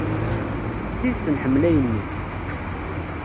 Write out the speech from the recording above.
S tidet nḥemmel ayen-nni.